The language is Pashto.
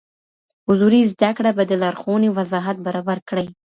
حضوري زده کړه به د لارښوونې وضاحت برابر کړي.